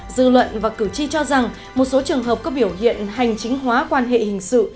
dư luận và cử tri cho rằng một số trường hợp có biểu hiện hành chính hóa quan hệ hình sự